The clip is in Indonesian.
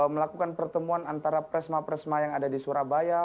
melakukan pertemuan antara presma presma yang ada di surabaya